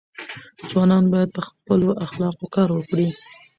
ځوانان باید په خپلو اخلاقو کار وکړي.